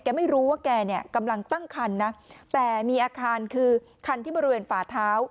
ไม่รู้ว่าแกเนี่ยกำลังตั้งคันนะแต่มีอาคารคือคันที่บริเวณฝาเท้า